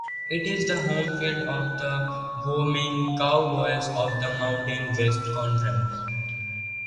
It is the home field of the Wyoming Cowboys of the Mountain West Conference.